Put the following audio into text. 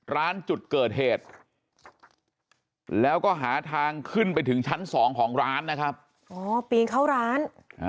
ร้านจุดเกิดเหตุแล้วก็หาทางขึ้นไปถึงชั้นสองของร้านนะครับอ๋อปีนเข้าร้าน